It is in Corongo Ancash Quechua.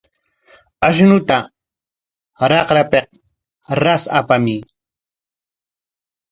Ashnuta raqrapik ras apamuy.